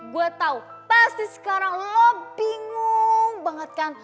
gue tau pasti sekarang lo bingung banget kan